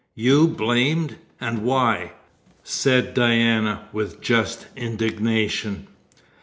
"You blamed! And why?" said Diana, with just indignation.